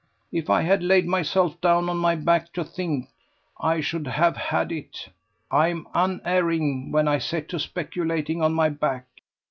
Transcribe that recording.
If I had laid myself down on my back to think, I should have had it. I am unerring when I set to speculating on my back.